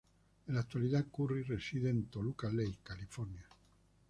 En la actualidad Curry reside en Toluca Lake, California.